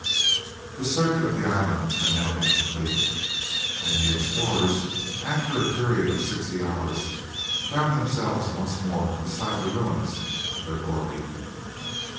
The circuit of the island had been now completed, and the explorers, after a period of sixty hours, found themselves once more beside the ruins of their gourbi.